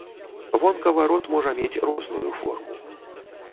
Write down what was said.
Вонкава рот можа мець розную форму.